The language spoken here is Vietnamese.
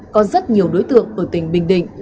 có rất nhiều đối tượng ở tỉnh bình định